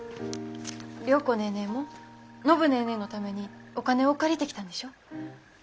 良子ネーネーも暢ネーネーのためにお金を借りてきたんでしょ？